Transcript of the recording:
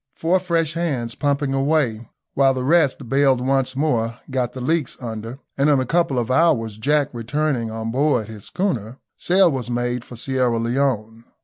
Four fresh hands pumping away while the rest baled once more got the leaks under, and in a couple of hours, Jack returning on board his schooner, sail was made for Sierra Leone.